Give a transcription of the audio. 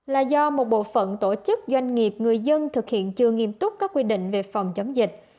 là do một bộ phận tổ chức doanh nghiệp người dân thực hiện chưa nghiêm túc các quy định về phòng chống dịch